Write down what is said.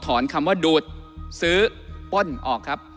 คำว่าดูดซื้อป้นออกครับ